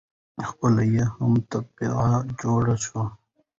خپله یې هم تبعه جوړه شوه.